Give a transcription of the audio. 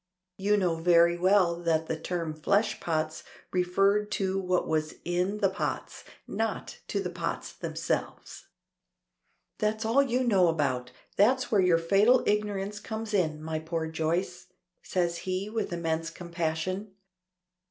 "You know very well that the term 'fleshpots' referred to what was in the pots, not to the pots themselves." "That's all you know about it. That's where your fatal ignorance comes in, my poor Joyce," says he, with immense compassion.